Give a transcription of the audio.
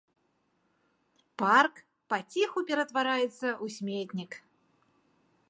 Парк паціху ператвараецца ў сметнік.